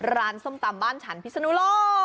ร้านส้มตำบ้านฉันพิษโลก